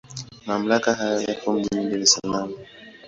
Mamlaka haya yapo mjini Dar es Salaam.